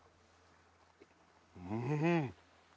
うん！